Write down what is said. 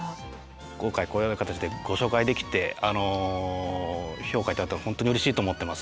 今回このような形でご紹介できて評価頂いたことを本当にうれしいと思ってます。